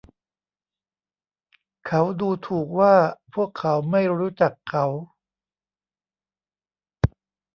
เขาดูถูกว่าพวกเขาไม่รู้จักเขา